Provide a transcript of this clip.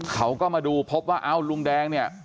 เขาก็มาดูพบว่าเอ้าลุงแดงเนี่ย